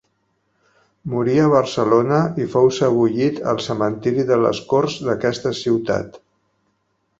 Morí a Barcelona i fou sebollit al Cementiri de les Corts d'aquesta ciutat.